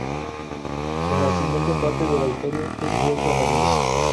En la siguiente parte de la historia es vuelto a la vida.